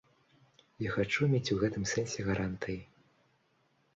Я хачу мець у гэтым сэнсе гарантыі.